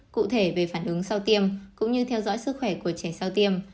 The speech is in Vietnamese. cụ thể về phản ứng sau tiêm cũng như theo dõi sức khỏe của trẻ sau tiêm